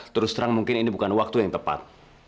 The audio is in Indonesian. terus terang mungkin ini bukan waktu yang tepat